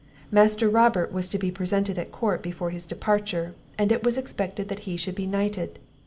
Master Robert was to be presented at court before his departure, and it was expected that he should be knighted.